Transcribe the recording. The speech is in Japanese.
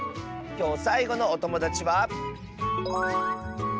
きょうさいごのおともだちは。